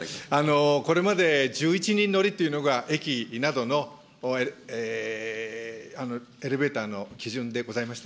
これまで１１人乗りというのが、駅などのエレベーターの基準でございました。